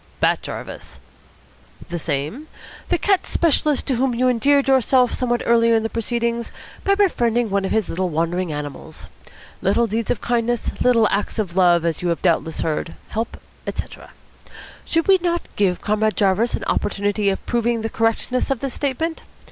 "Bat Jarvis." "The same. The cat specialist to whom you endeared yourself somewhat earlier in the proceedings by befriending one of his wandering animals. Little deeds of kindness, little acts of love, as you have doubtless heard, help, etc. Should we not give Comrade Jarvis an opportunity of proving the correctness of this statement?